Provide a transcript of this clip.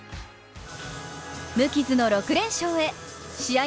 無傷の６連勝試合